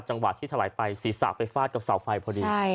จังหวะที่ถลายไปศีรษะไปฟาดกับเสาไฟพอดี